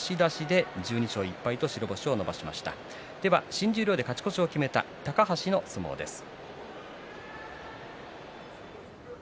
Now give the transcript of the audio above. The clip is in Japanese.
新十両で勝ち越しを決めた高橋の相撲です。